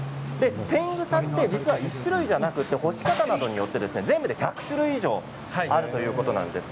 てんぐさって実は１種類ではなくて干し方などによって全部で１００種類以上あるということなんです。